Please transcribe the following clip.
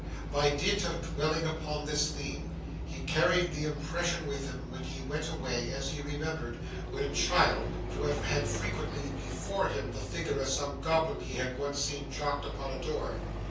By dint of dwelling upon this theme, he carried the impression with him when he went away; as he remembered, when a child, to have had frequently before him the figure of some goblin he had once seen chalked upon a door.